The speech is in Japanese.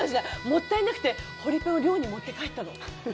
もったいなくてホリプロの寮に持って帰ったの。